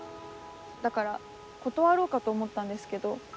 だから断ろうかと思ったんですけど。